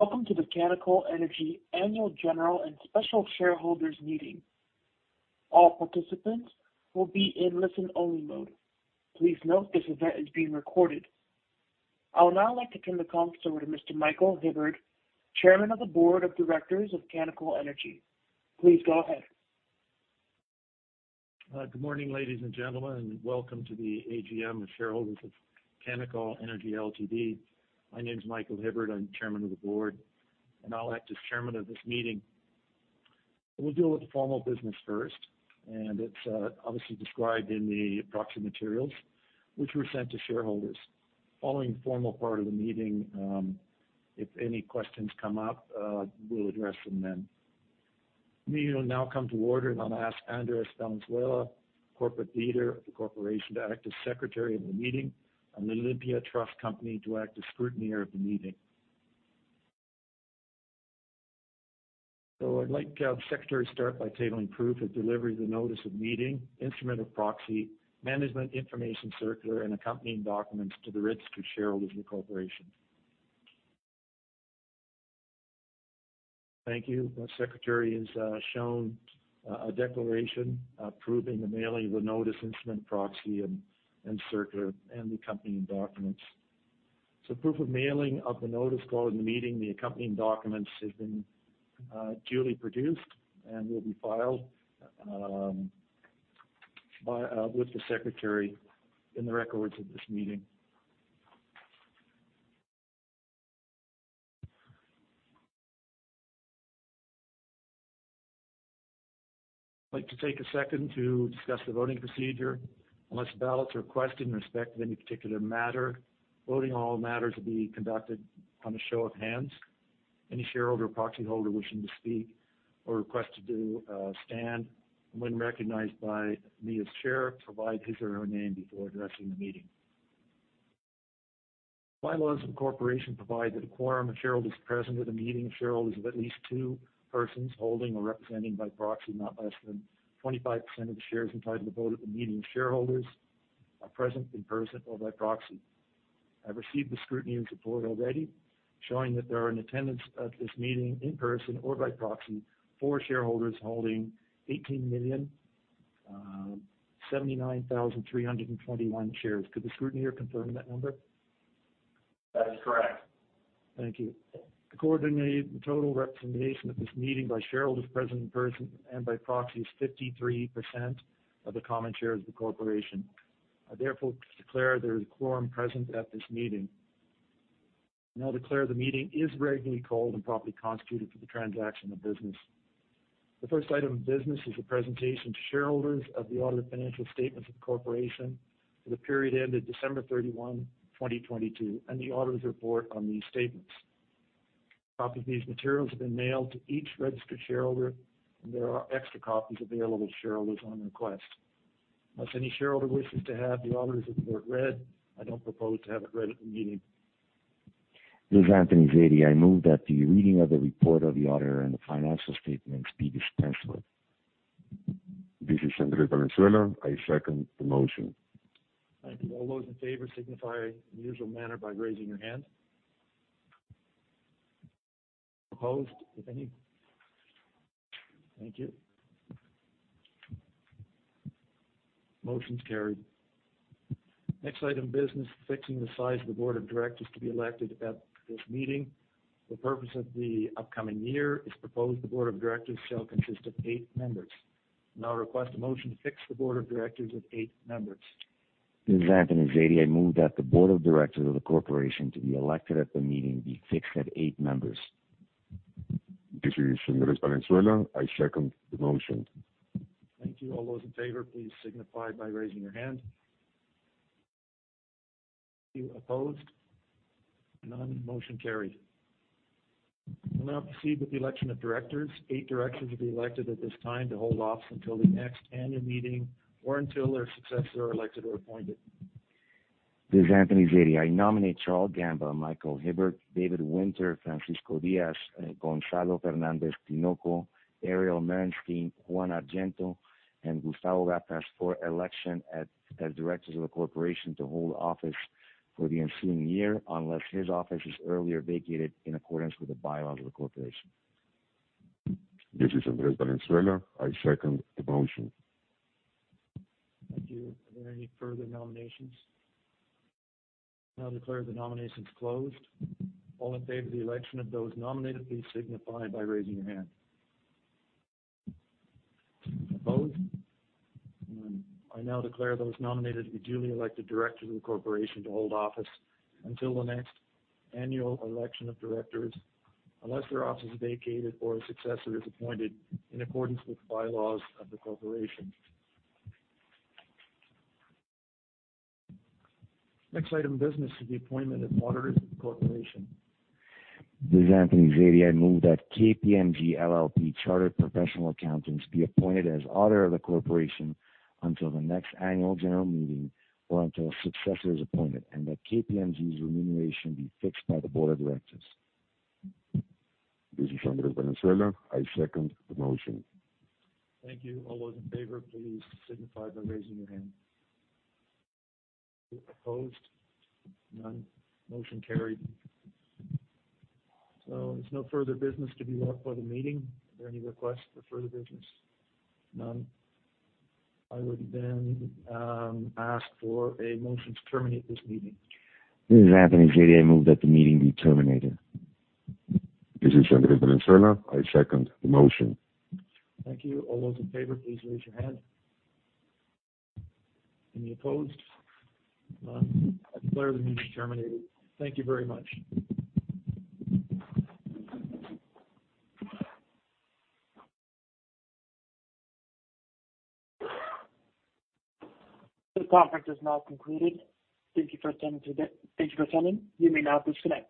Welcome to the Canacol Energy Annual General and Special Shareholders Meeting. All participants will be in listen-only mode. Please note this event is being recorded. I would now like to turn the conference over to Mr. Michael Hibberd, Chairman of the Board of Directors of Canacol Energy. Please go ahead. Good morning, ladies and gentlemen, and welcome to the AGM of Shareholders of Canacol Energy Ltd. My name's Michael Hibberd, I'm Chairman of the Board, and I'll act as Chairman of this meeting. We'll deal with the formal business first, and it's obviously described in the proxy materials, which were sent to shareholders. Following the formal part of the meeting, if any questions come up, we'll address them then. The meeting will now come to order, and I'll ask Andres Valenzuela, Corporate Legal of the corporation, to act as Secretary of the meeting, and the Olympia Trust Company to act as Scrutineer of the meeting. So I'd like the Secretary to start by tabling proof of delivery of the notice of meeting, instrument of proxy, management information circular, and accompanying documents to the registered shareholders of the corporation. Thank you. The Secretary has shown a declaration approving the mailing of the notice, instrument proxy, and circular, and the accompanying documents. Proof of mailing of the notice calling the meeting and the accompanying documents has been duly produced and will be filed with the Secretary in the records of this meeting. I'd like to take a second to discuss the voting procedure. Unless a ballot is requested in respect of any particular matter, voting on all matters will be conducted on a show of hands. Any shareholder or proxy holder wishing to speak or request to so stand, when recognized by me as Chair, provide his or her name before addressing the meeting. Bylaws of Incorporation provide that a quorum of shareholders present at the meeting of shareholders of at least two persons holding or representing by proxy not less than 25% of the shares entitled to vote at the meeting of shareholders are present in person or by proxy. I've received the Scrutineer's report already, showing that there are in attendance at this meeting, in person or by proxy, four shareholders holding 18,079,321 shares. Could the Scrutineer confirm that number? That is correct. Thank you. Accordingly, the total representation at this meeting by shareholders present in person and by proxy is 53% of the common shares of the corporation. I therefore declare there is a quorum present at this meeting. Now I declare the meeting is regularly called and properly constituted for the transaction of business. The first item of business is a presentation to shareholders of the audited financial statements of the corporation for the period ended December 31, 2022, and the auditor's report on these statements. Copies of these materials have been mailed to each registered shareholder, and there are extra copies available to shareholders on request. Unless any shareholder wishes to have the auditor's report read, I don't propose to have it read at the meeting. This is Anthony Zaidi. I move that the reading of the report of the auditor and the financial statements be dispensed with. This is Andrés Valenzuela. I second the motion. Thank you. All those in favor, signify in the usual manner by raising your hand. Opposed, if any? Thank you. Motion's carried. Next item of business, fixing the size of the Board of Directors to be elected at this meeting. For the purpose of the upcoming year, it's proposed the Board of Directors shall consist of eight members. I now request a motion to fix the Board of Directors at eight members. This is Anthony Zaidi. I move that the Board of Directors of the Corporation to be elected at the meeting be fixed at eight members. This is Andrés Valenzuela. I second the motion. Thank you. All those in favor, please signify by raising your hand. Thank you. Opposed? None. Motion carried. We'll now proceed with the election of Directors. Eight Directors will be elected at this time to hold office until the next Annual Meeting or until their successors are elected or appointed. This is Anthony Zaidi. I nominate Charle Gamba, Michael Hibberd, David Winter, Francisco Diaz, Gonzalo Fernández-Tinoco, Ariel Merenstein, Juan Argento, and Gustavo Gattass for election as Directors of the Corporation to hold office for the ensuing year, unless his office is earlier vacated in accordance with the bylaws of the corporation. This is Andrés Valenzuela. I second the motion. Thank you. Are there any further nominations? I now declare the nominations closed. All in favor of the election of those nominated, please signify by raising your hand. Opposed? None. I now declare those nominated be duly elected Directors of the corporation to hold office until the next annual election of Directors, unless their office is vacated or a successor is appointed in accordance with the bylaws of the corporation. Next item of business is the appointment of auditors of the corporation. This is Anthony Zaidi. I move that KPMG LLP Chartered Professional Accountants be appointed as Auditor of the Corporation until the next Annual General Meeting or until a successor is appointed, and that KPMG's remuneration be fixed by the Board of Directors. This is Andrés Valenzuela. I second the motion. Thank you. All those in favor, please signify by raising your hand. Opposed? None. Motion carried. There's no further business to be brought before the meeting. Are there any requests for further business? None. I would then ask for a motion to terminate this meeting. This is Anthony Zaidi. I move that the meeting be terminated. This is Andrés Valenzuela. I second the motion. Thank you. All those in favor, please raise your hand. Any opposed? None. I declare the meeting terminated. Thank you very much. This conference is now concluded. Thank you for attending. You may now disconnect.